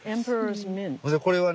これはね